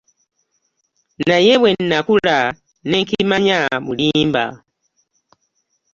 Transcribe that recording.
Naye bwe nakula ne nkimanya bulimba.